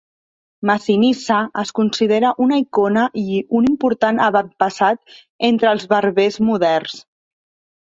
Masinissa es considera una icona i un important avantpassat entre els berbers moderns.